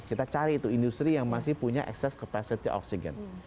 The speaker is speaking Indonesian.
kita cari itu industri yang masih punya excess capacity oksigen